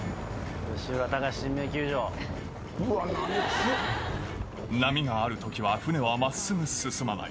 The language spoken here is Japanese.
うわ、波、波があるときは船はまっすぐ進まない。